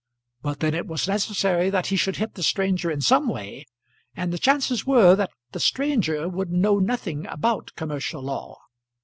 But then it was necessary that he should hit the stranger in some way, and the chances were that the stranger would know nothing about commercial law.